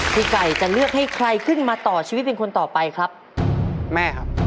พี่ไก่จะเลือกให้ใครขึ้นมาต่อชีวิตเป็นคนต่อไปครับแม่ครับ